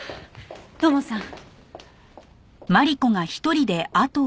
土門さん。